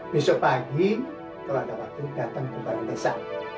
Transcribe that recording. besok pagi kalau ada waktu datang ke balai desa